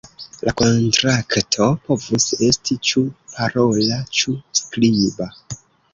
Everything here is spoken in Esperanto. La kontrakto povus esti ĉu parola ĉu skriba.